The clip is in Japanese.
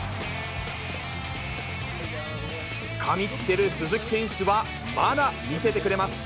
神ってる鈴木選手はまだ見せてくれるんです。